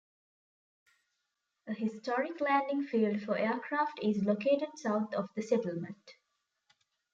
A historic landing field for aircraft is located south of the settlement.